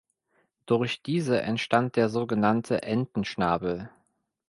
Durch diese entstand der sogenannte Entenschnabel.